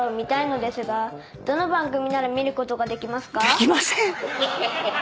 できません。